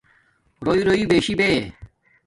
رَݸرَݸ بشآی بے